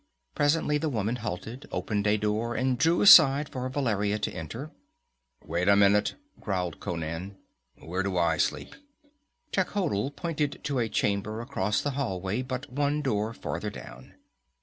Presently the woman halted, opened a door, and drew aside for Valeria to enter. "Wait a minute," growled Conan. "Where do I sleep?" Techotl pointed to a chamber across the hallway, but one door farther down.